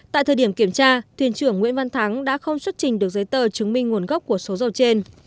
tại thời điểm kiểm tra thuyền trưởng nguyễn văn thắng đã không xuất trình được giấy tờ chứng minh nguồn gốc của số dầu trên